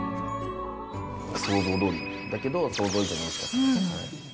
想像どおりだけど、想像以上においしかった。